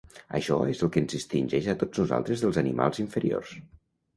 Això es el que ens distingeix a tots nosaltres dels animals inferiors.